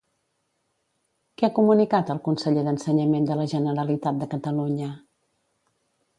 Què ha comunicat el conseller d'Ensenyament de la Generalitat de Catalunya?